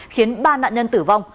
khiến ba nạn nhân tử vong